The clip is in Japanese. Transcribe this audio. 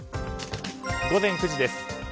午前９時です。